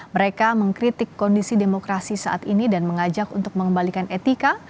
mereka mengkritik kondisi demokrasi saat ini dan mengajak untuk mengembalikan etika